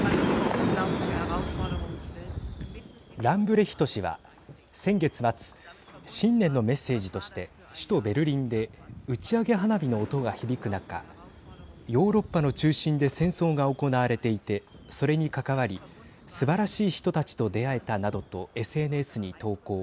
ランブレヒト氏は先月末、新年のメッセージとして首都ベルリンで打ち上げ花火の音が響く中ヨーロッパの中心で戦争が行われていてそれに関わりすばらしい人たちと出会えたなどとＳＮＳに投稿。